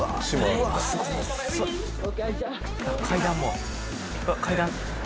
うわっ階段。